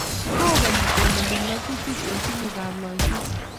Kokeny kendeno ng'atutiik eng' tuguukab loiseet.